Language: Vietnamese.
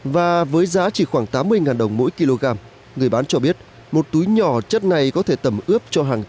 và với giá chỉ khoảng tám mươi đồng mỗi kg người bán cho biết một túi nhỏ chất này có thể tẩm ướp